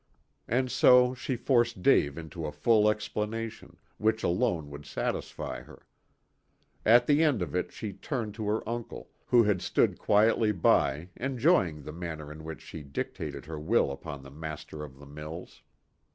And so she forced Dave into a full explanation, which alone would satisfy her. At the end of it she turned to her uncle, who had stood quietly by enjoying the manner in which she dictated her will upon the master of the mills.